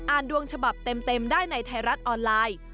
อ่านดวงฉบับเต็มได้ในไทรัศน์ออนไลน์